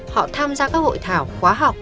họ tham gia các hội thảo khóa học